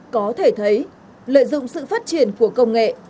có thể thấy lợi dụng sự phát triển của công nghệ